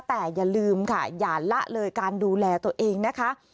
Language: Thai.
แต่อย่าลืมค่ะอย่าละเลยการดูแลตัวเองนะคะ